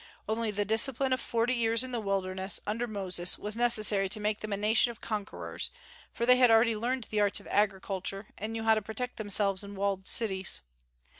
Only the discipline of forty years in the wilderness, under Moses, was necessary to make them a nation of conquerors, for they had already learned the arts of agriculture, and knew how to protect themselves in walled cities.